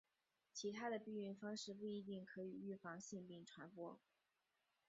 其他的避孕方式不一定可以预防性病传播。